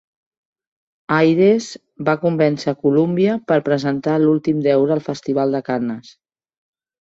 Ayres va convèncer Columbia per presentar "L'últim deure" al Festival de Cannes.